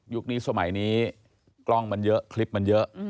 นี้สมัยนี้กล้องมันเยอะคลิปมันเยอะ